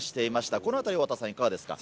このあたり、いかがですか？